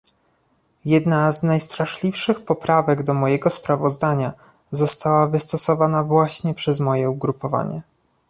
Jedna z najstraszliwszych poprawek do mojego sprawozdania została wystosowana właśnie przez moje ugrupowanie